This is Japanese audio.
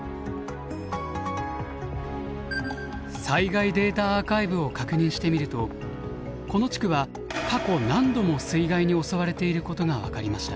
災害データアーカイブを確認してみるとこの地区は過去何度も水害に襲われていることが分かりました。